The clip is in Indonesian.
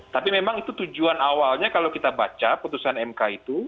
tapi memang itu tujuan awalnya kalau kita baca putusan mk itu